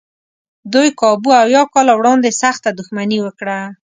دوی کابو اویا کاله وړاندې سخته دښمني وکړه.